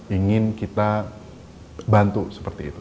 ingin kita bantu seperti itu